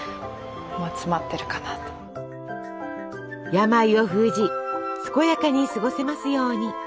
病を封じ健やかに過ごせますように。